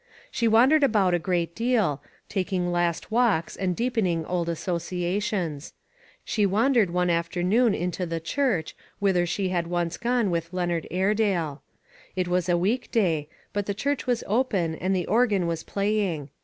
She wandered about a great deal, taking last walks and deepening old associations. She wandered one 4OO ONE COMMONPLACE DAY. afternoon into the church, whither she had once gone with Leonard Airedale. It was a week day, but the church was open and the organ was playing.